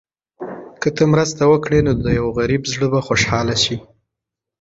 که ته مرسته وکړې، نو د یو غریب زړه به خوشحاله شي.